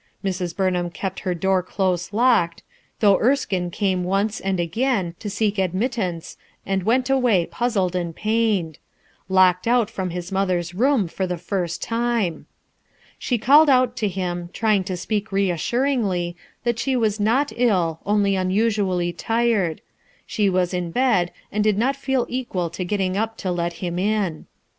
Mrs. Burnham kept her tloor clom locked, though Kfskinc eamo once, and again, to seek Admittance and went away pawled and pained: looked out from his mother' worn for the first time, She culled out to him, trying to upciik reassuringly, that nhe wan not ill, only unusually tired; him mm in bed, and did not feci equal to getting up to let him in."